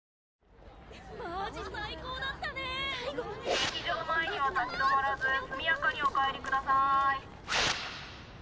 劇場前には立ち止まらず速やかにお帰りください。